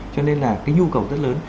cho nên là cái nhu cầu rất lớn